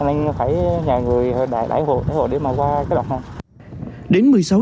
nên phải nhà người đẩy hộ để mà qua cái đoạn đó